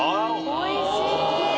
おいしい。